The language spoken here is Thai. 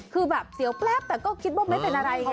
คือแบบเสียวแป๊บแต่ก็คิดว่าไม่เป็นอะไรไง